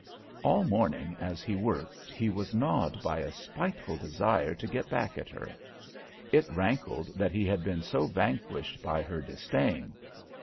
All morning as he worked he was gnawed by a spiteful desire to get back at her. It rankled that he had been so vanquished by her disdain.